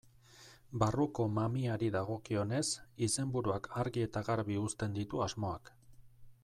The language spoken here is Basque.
Barruko mamiari dagokionez, izenburuak argi eta garbi uzten ditu asmoak.